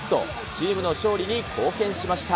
チームの勝利に貢献しました。